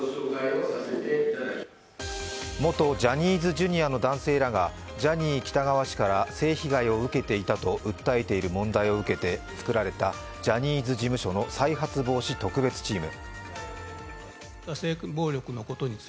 元ジャニーズＪｒ．の男性らがジャニー喜多川氏から性被害を受けていると訴えている問題を受けて作られたジャニーズ事務所の再発防止特別チーム。